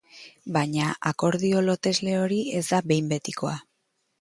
Baina akordio lotesle hori ez da behin betikoa.